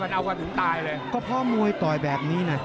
นี่นะเอากันเอากันถึงตายเลยก็เพราะมวยต่อยแบบนี้นะ